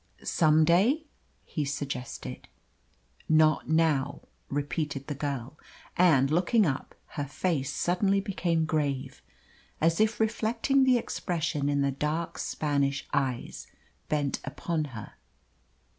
"Some day?" he suggested. "Not now," repeated the girl; and, looking up, her face suddenly became grave, as if reflecting the expression in the dark Spanish eyes bent upon her.